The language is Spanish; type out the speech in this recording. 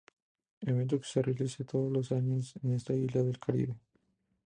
Evento que se realiza todos los años en esta isla del caribe.